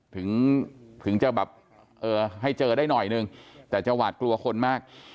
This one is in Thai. ถึงจะแบบให้เจอได้หน่อยนึงแต่จังหวัดกลัวคนมาก